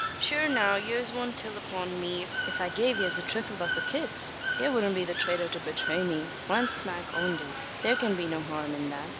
Shure now, yez wudn't till upon me, if I gave yez a thrifle av a kiss? Ye wudn't be the thraiter to bethray me? Wan smack only. Thare can be no harum in that.